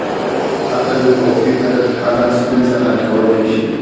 عقل او فکر هره ستونزه حل کولی شي.